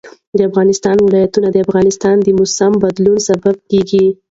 د افغانستان ولايتونه د افغانستان د موسم د بدلون سبب کېږي.